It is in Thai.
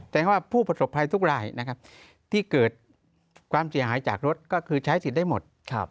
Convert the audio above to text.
แต่ว่าผู้ประสบภัยทุกรายนะครับที่เกิดความเสียหายจากรถก็คือใช้สิทธิ์ได้หมด